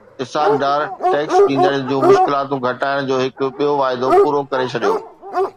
Ishaq Dar tax ڏيندڙن جون مشڪلاتون گهٽائڻ جو هڪ ٻيو واعدو پورو ڪري ڇڏيو